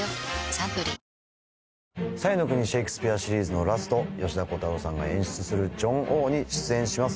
サントリー彩の国シェイクスピア・シリーズのラスト吉田鋼太郎さんが演出する『ジョン王』に出演します。